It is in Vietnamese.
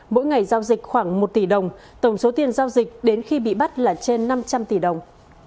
mỗi ngày giao dịch khoảng một tỷ đồng tổng số tiền giao dịch đến khi bị bắt là trên năm trăm linh tỷ đồng